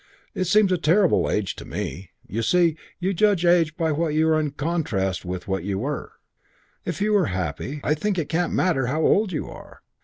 It seems a terrible age to me. You see, you judge age by what you are in contrast with what you were. If you're very happy I think it can't matter how old you are.